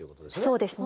そうですね。